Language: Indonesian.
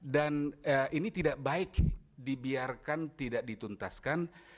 dan ini tidak baik dibiarkan tidak dituntaskan